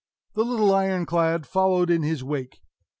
The little Iron clad followed in his wake.